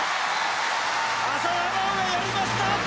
浅田真央がやりました！